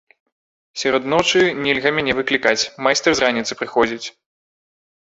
Сярод ночы нельга мяне выклікаць, майстар з раніцы прыходзіць.